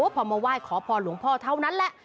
พอมาไหว้ขอพรหลวงพ่อเท่านั้นแหละ